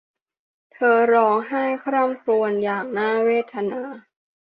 เธอร้องไห้คร่ำครวญอย่างน่าเวทนา